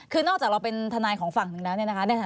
คือนอกจากเราเป็นทนายของฝั่งหนึ่งแล้วเนี่ยนะคะ